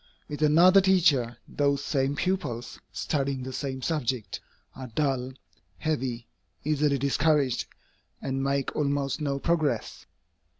With another teacher, those same pupils, studying the same subject, are dull, heavy, easily discouraged, and make almost no progress.